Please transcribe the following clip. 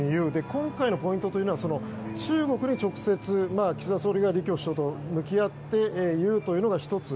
今回のポイントというのは中国に直接、岸田総理が李強首相と向き合って言うというのが１つ。